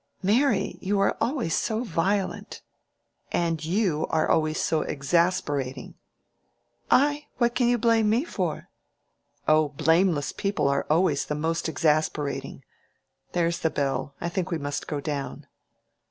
"Mary, you are always so violent." "And you are always so exasperating." "I? What can you blame me for?" "Oh, blameless people are always the most exasperating. There is the bell—I think we must go down."